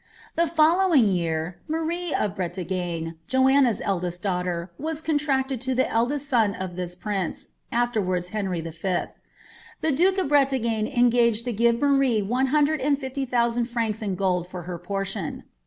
* The following year, Marie of Bretagne, Joanna's eldest dnochter. wii contracted to the eldest son of this prince, (alierwards Henry V.) The duke of Breiagne engaged to give Marie one hundml and &ity ikamni francs in gold for her porlinn.